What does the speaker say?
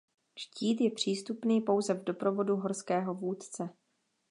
Štít je přístupný pouze v doprovodu horského vůdce.